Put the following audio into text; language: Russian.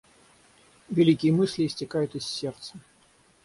Великие мысли истекают из сердца.